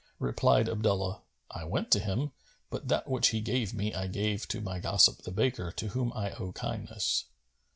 Replied Abdullah, "I went to him but that which he gave me I gave to my gossip the baker, to whom I owe kindness."